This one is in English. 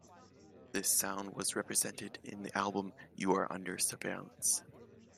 This sound was represented in the album "You Are Under Surveillance".